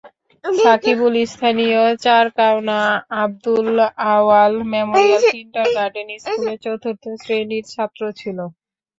সাকিবুল স্থানীয় Charkaona Abdul Awal memorial kindergarten স্কুলের চতুর্থ শ্রেণির ছাত্র ছিল।